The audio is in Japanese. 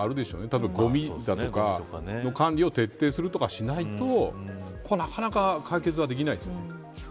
たぶん、ごみだとかの管理を徹底するとかしないとなかなか解決はできないですよね。